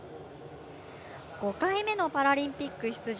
５回目のパラリンピック出場。